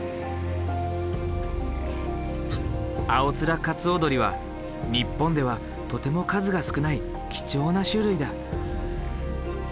アオツラカツオドリは日本ではとても数が少ない貴重な種類だ。